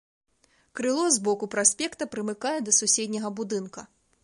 Крыло з боку праспекта прымыкае да суседняга будынка.